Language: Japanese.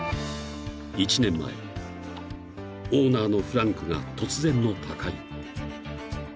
［１年前オーナーのフランクが突然の他界］